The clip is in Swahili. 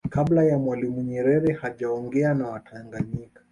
Kabla ya Mwalimu Nyerere hajaongea na watanganyika